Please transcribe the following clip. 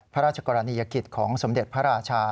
พระราชกรณียกิจของสมเด็จพระราชา